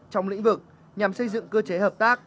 trong lĩnh vực nhằm xây dựng cơ chế hợp tác